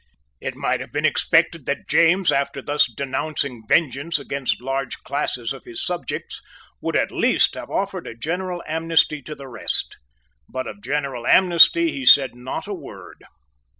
It might have been expected that James, after thus denouncing vengeance against large classes of his subjects, would at least have offered a general amnesty to the rest. But of general amnesty he said not a word.